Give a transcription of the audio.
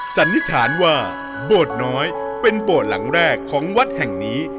สันนิษฐานว่าโบสถ์น้อยเป็นโบสถ์หลังแรกของวัดแห่งนี้